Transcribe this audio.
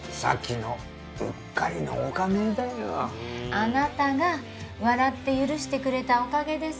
あなたが笑って許してくれたおかげです。